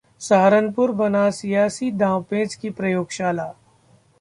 सहारनपुर बना सियासी दांवपेच की प्रयोगशाला